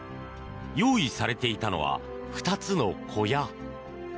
用意されていたのは２つの小屋。